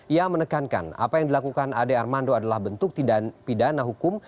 ia menekankan apa yang dilakukan ade armando adalah bentuk tindak pidana hukum